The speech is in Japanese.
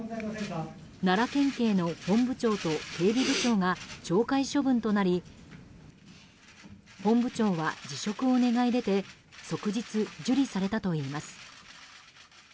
奈良県警の本部長と警備部長が懲戒処分となり本部長は辞職を願い出て即日受理されたといいます。